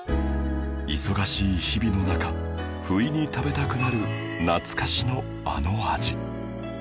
忙しい日々の中不意に食べたくなる懐かしのあの味